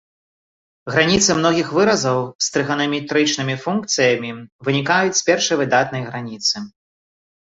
Граніцы многіх выразаў з трыганаметрычнымі функцыямі вынікаюць з першай выдатнай граніцы.